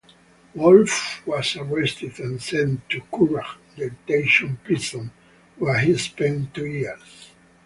Wolfe was arrested and sent to Curragh detention prison, where he spent two years.